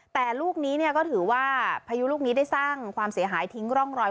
แต่ลูกนี้ก็ถือว่าพายุลูกนี้ได้สร้างความเสียหายทิ้งร่องรอย